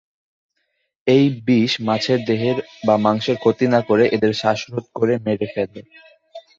এই বিষ মাছের দেহের বা মাংসের ক্ষতি না করে এদের শ্বাসরোধ করে মেরে ফেলে।